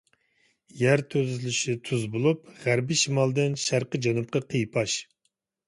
يەر تۈزۈلۈشى تۈز بولۇپ، غەربىي شىمالدىن شەرقىي جەنۇبقا قىيپاش.